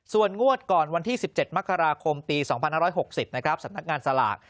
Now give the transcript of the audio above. ส่วนงวดก่อนวันที่๑๗มกราคมปี๒๕๖๐นะครับสำนักงานสลาก